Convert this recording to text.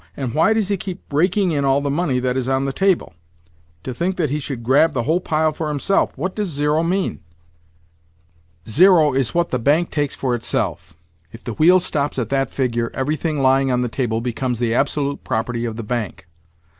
And why does he keep raking in all the money that is on the table? To think that he should grab the whole pile for himself! What does zero mean?" "Zero is what the bank takes for itself. If the wheel stops at that figure, everything lying on the table becomes the absolute property of the bank.